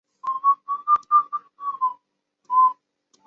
玩家的主要任务是从战俘营拯救战俘。